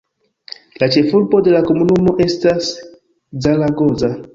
La ĉefurbo de la komunumo estas Zaragoza.